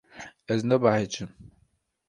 Ez nabehecim.